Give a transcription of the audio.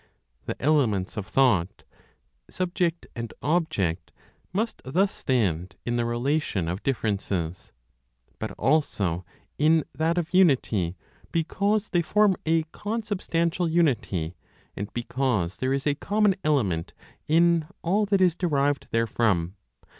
The elements of thought (subject and object) must thus stand in the relation of differences, but also in that of unity, because they form a consubstantial unity, and because there is a common element in all that is derived therefrom.